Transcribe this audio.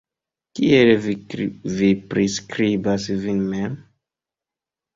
Kiel vi priskribas vin mem?